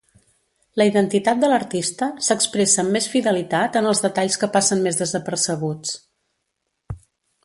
La identitat de l'artista s'expressa amb més fidelitat en els detalls que passen més desapercebuts.